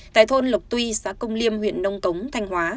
tại thôn lộc tuy xã công liêm huyện nông cống thanh hóa